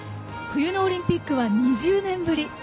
冬のオリンピックは２０年ぶり。